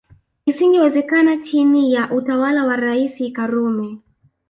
Isingewezekana chini ya utawala wa Rais Karume